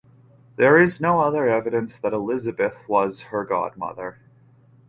There is no other evidence that Elizabeth was her godmother.